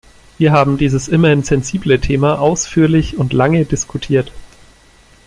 Wir haben dieses immerhin sensible Thema ausführlich und lange diskutiert.